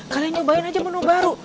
kalian nyobain aja menu baru